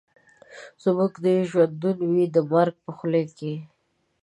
زموږ دي ژوندون وي د مرګ په خوله کي